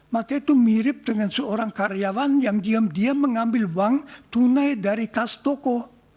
maka itu mirip dengan seorang karyawan yang diam diam mengambil uang tunai dari kas toko